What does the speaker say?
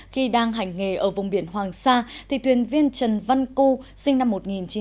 khi đang hành nghề ở vùng biển hoàng sa thì tuyên viên trần văn cưu sinh năm một nghìn chín trăm sáu mươi tám